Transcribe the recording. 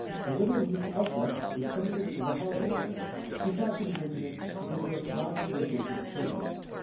Her little niece, Elsa, was coming to spend a holiday with her. She thought she would mention it, because there were some lodgers who objected to children.